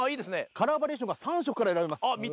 カラーバリエーションが３色から選べます